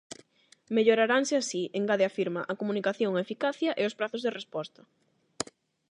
"Melloraranse así", engade a firma, "a comunicación, a eficacia e os prazos de resposta".